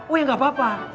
wih gak apa apa